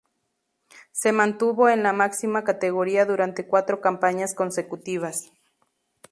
Se mantuvo en la máxima categoría durante cuatro campañas consecutivas.